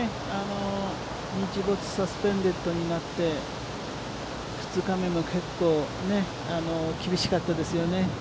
日没サスペンデットになって２日目も結構厳しかったですよね。